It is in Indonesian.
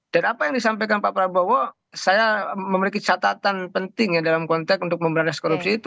dan apa yang disampaikan pak prabowo saya memiliki catatan penting ya dalam konteks untuk memberanasi korupsi itu